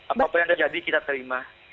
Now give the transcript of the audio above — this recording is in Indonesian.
apapun yang terjadi kita terima